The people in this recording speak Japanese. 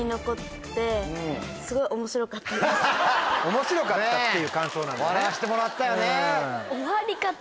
面白かったっていう感想なんですね。